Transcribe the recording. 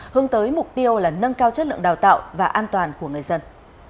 hướng tới mục tiêu là nâng cao chất lượng đào tạo và an toàn của người dân